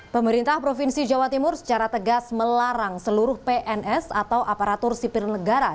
pemerintah provinsi jawa timur secara tegas melarang seluruh pns atau aparatur sipil negara